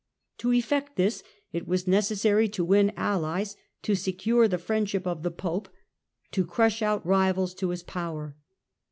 To effect this it was necessary to win allies, to secure the friendship of the Pope, to crush out rivals to his power.